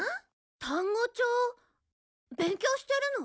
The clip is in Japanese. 単語帳勉強してるの？